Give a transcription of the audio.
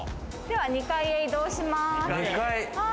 では２階へ移動します。